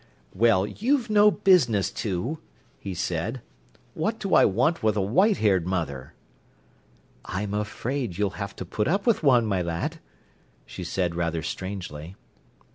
"Well, you've no business to," he said. "What do I want with a white haired mother?" "I'm afraid you'll have to put up with one, my lad," she said rather strangely.